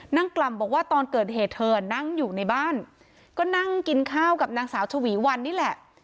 กล่ำบอกว่าตอนเกิดเหตุเธอนั่งอยู่ในบ้านก็นั่งกินข้าวกับนางสาวชวีวันนี่แหละ